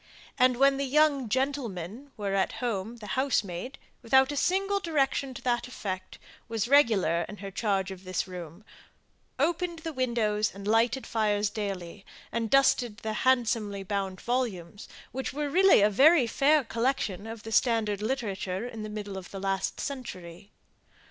And when the "young gentlemen" were at home the housemaid, without a single direction to that effect, was regular in her charge of this room; opened the windows and lighted fires daily, and dusted the handsomely bound volumes, which were really a very fair collection of the standard literature in the middle of the last century.